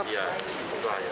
ya kan baru